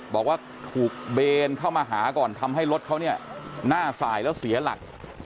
บอกว่าถูกเบนเข้ามาหาก่อนทำให้รถเขาเนี่ยหน้าสายแล้วเสียหลัก